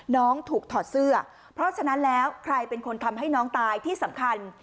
น้องถูกถอดเสื้อเพราะฉะนั้นแล้วใครเป็นคนทำให้น้องตายที่สำคัญ